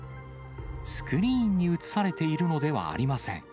スクリーンに映されているのではありません。